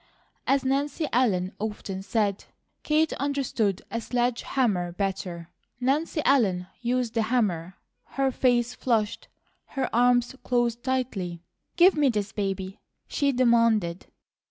As Nancy Ellen often said, Kate understood a sledge hammer better. Nancy Ellen used the hammer. Her face flushed, her arms closed tightly. "Give me this baby," she demanded.